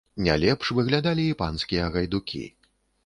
Не лепш выглядалі і панскія гайдукі.